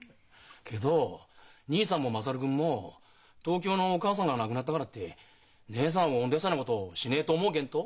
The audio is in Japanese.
けど義兄さんも優君も東京のお義母さんが亡くなったからって義姉さんを追ん出すようなことしねえと思うげんと。